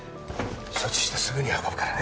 処置してすぐに運ぶからね。